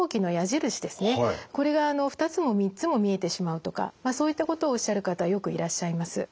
これが２つも３つも見えてしまうとかそういったことをおっしゃる方よくいらっしゃいます。